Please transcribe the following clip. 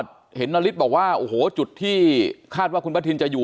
คุณพ่อเห็นนาฬิตบอกว่าจุดที่คาดว่าคุณประทิสธิ์จะอยู่